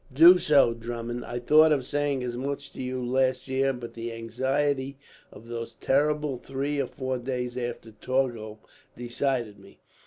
"Do so, Drummond. I thought of saying as much to you, last year; but the anxiety of those terrible three or four days after Torgau decided me.